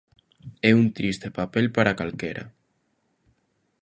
É un triste papel para calquera.